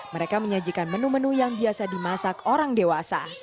mereka menyajikan menu menu yang biasa dimasak orang dewasa